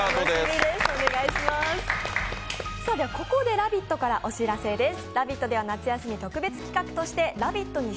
ここで「ラヴィット！」からお知らせです。